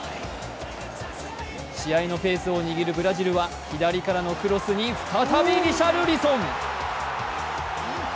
試合のペースを握るブラジルは左からのクロスに再びリシャルリソン。